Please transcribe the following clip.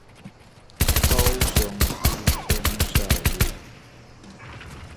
高雄市忠孝路